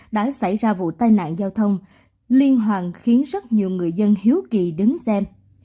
đã xảy ra vụ tai nạn giao thông liên hoàn khiến rất nhiều người dân hiếu kỳ đứng xem